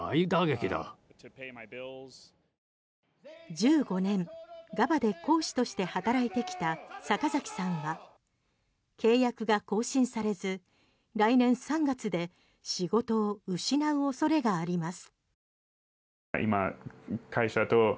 １５年、Ｇａｂａで講師として働いてきた阪崎さんは契約が更新されず来年３月で仕事を失うおそれがあります。